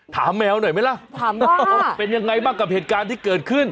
ถามแมวหน่อยไหมละเป็นอย่างไรบ้างกับเหตุการณ์ที่เกิดขึ้น